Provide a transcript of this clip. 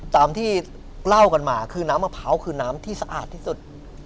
ตามที่เล่ากันมาคือน้ำมะพร้าวคือน้ำที่สะอาดที่สุด